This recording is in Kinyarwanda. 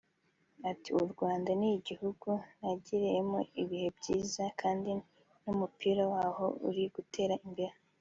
Ati “U Rwanda ni igihugu nagiriyemo ibihe byiza kandi n’umupira waho uri gutera imbere